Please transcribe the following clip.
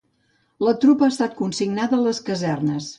La tropa ha estat consignada a les casernes.